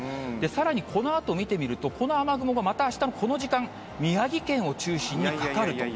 さらにこのあと見てみると、この雨雲がまたあしたのこの時間、宮城県を中心にかかると。